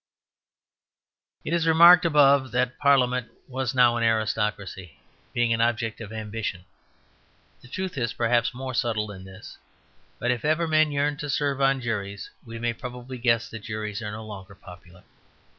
It is remarked above that Parliament was now an aristocracy, being an object of ambition. The truth is, perhaps, more subtle than this; but if ever men yearn to serve on juries we may probably guess that juries are no longer popular.